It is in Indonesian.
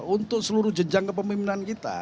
untuk seluruh jenjang kepemimpinan kita